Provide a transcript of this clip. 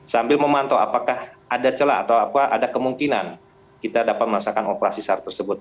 sambil memantau apakah ada celah atau apa ada kemungkinan kita dapat melaksanakan operasi sar tersebut